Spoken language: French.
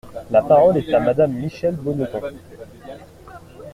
La parole est à Madame Michèle Bonneton.